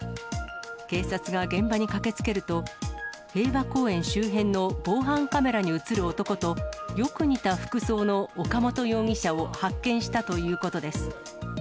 警察が現場に駆けつけると、平和公園周辺の防犯カメラに写る男と、よく似た服装の岡本容疑者を発見したということです。